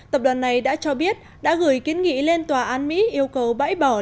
tập đoàn này đã cho biết đã gửi kiến nghị lên tòa án mỹ yêu cầu bãi bỏ